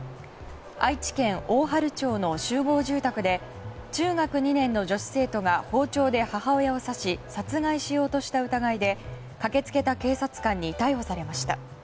愛知県大治町の集合住宅で中学２年の女子生徒が包丁で母親を刺し殺害しようとした疑いで駆け付けた警察官に逮捕されました。